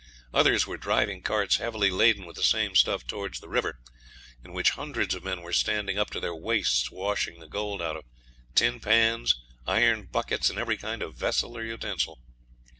Others were driving carts heavily laden with the same stuff towards the river, in which hundreds of men were standing up to their waists washing the gold out of tin pans, iron buckets, and every kind of vessel or utensil.